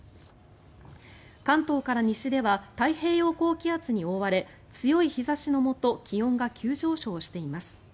関東から西では太平洋高気圧に覆われ強い日差しのもと気温が急上昇しています。